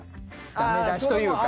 ダメ出しというか。